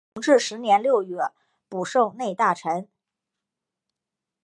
同治十年六月补授内大臣。